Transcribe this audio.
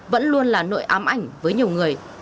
vẫn luôn là nội ám ảnh với nhiều người